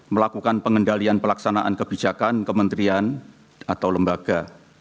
melakukan pengendalian pelaksanaan kebijakan kementerian atau lembaga